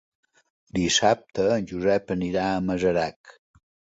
Dissabte en Josep anirà a Masarac.